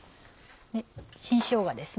新しょうがです。